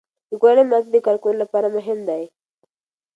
د کورنۍ ملاتړ د کارکوونکو لپاره مهم دی.